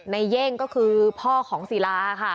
เย่งก็คือพ่อของศิลาค่ะ